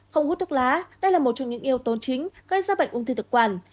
không hút thuốc lá đây là một trong những yếu tố chính gây ra bệnh ung thư thực quản